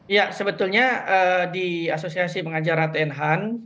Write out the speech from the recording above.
ya sebetulnya di asosiasi pengajar hukum tata negara dan hukum administrasi negara